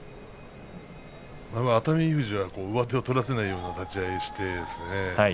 熱海富士は上手を取らせないような立ち合いでした。